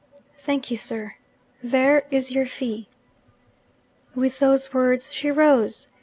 'Thank you, sir. There is your fee.' With those words she rose.